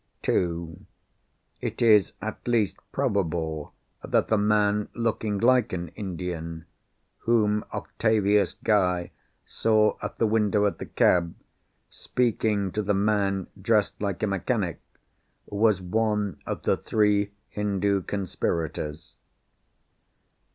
(2) It is at least probable that the man looking like an Indian, whom Octavius Guy saw at the window of the cab, speaking to the man dressed like a mechanic, was one of the three Hindoo conspirators.